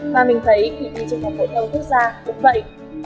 mà mình thấy kỳ kỳ trong các hội thông quốc gia cũng vậy